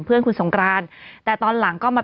เพื่อนคุณสงกรานแต่ตอนหลังก็มา